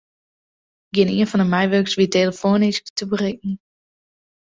Gjinien fan de meiwurkers wie telefoanysk te berikken.